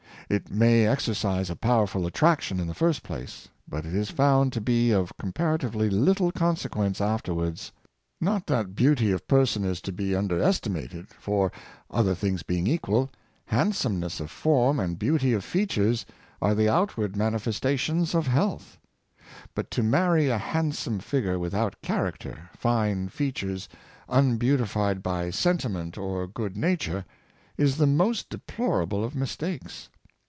It may exercise a powerful attraction in the first place, but it is found to be of comparatively little consequence afterwards. Not that beauty of person is to ^e under Marrying for Beauty, 571 estimated, for, other things being equal, handsomeness of form and beauty of features are the outward mani festations of health. But to marry a handsome figure without character, fine features unbeautified by senti ment or good nature, is the most deplorable of mistakes.